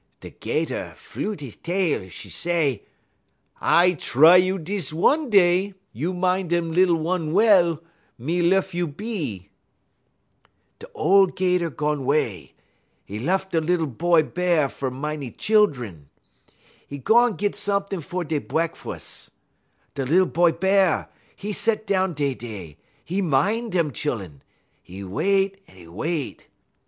"Da 'Gator flut 'e tail; 'e say: "'I try you dis one day; you min' dem lil one well, me luf you be.' "Da ole 'Gator gone 'way; 'e luf da lil boy Bear fer min' 'e chillun. 'E gone git somet'ing fer dey brekwus. Da lil boy Bear, 'e set down dey dey; 'e min' dem chillun; 'e wait en 'e wait.